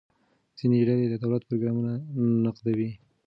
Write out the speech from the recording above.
ځینې ډلې د دولت پروګرامونه نقدوي.